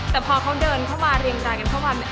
แต่พอเขาเดินเข้ามาเรียงรายกันเข้ามา